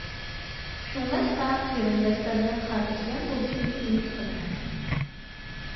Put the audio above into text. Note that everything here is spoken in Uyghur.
شۇڭلاشقا قېرىنداشلارنىڭ خاتىرجەم بولۇشىنى ئۈمىد قىلىمەن.